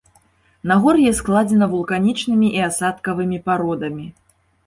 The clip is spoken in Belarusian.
Нагор'е складзена вулканічнымі і асадкавымі пародамі.